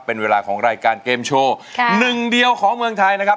เป็นเวลาของรายการเกมโชว์ค่ะหนึ่งเดียวของเมืองไทยนะครับ